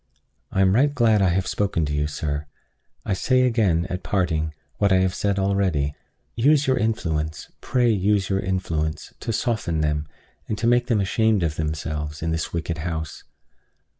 I am right glad I have spoken to you, sir. I say again, at parting, what I have said already: Use your influence, pray use your influence, to soften them, and to make them ashamed of themselves, in this wicked house.